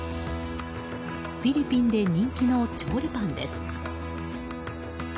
フィリピンで人気の調理パンです。